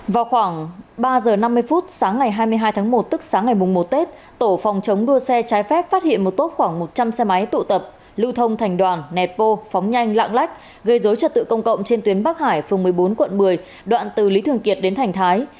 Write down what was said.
vào khoảng ba giờ năm mươi phút sáng ngày hai mươi hai tháng một tức sáng ngày một tết tổ phòng chống đua xe trái phép phát hiện một tốp khoảng một trăm linh xe máy tụ tập lưu thông thành đoàn nẹt bô phóng nhanh lạng lách gây dối trật tự công cộng trên tuyến bắc hải phường một mươi bốn quận một mươi đoạn từ lý thường kiệt đến thành thái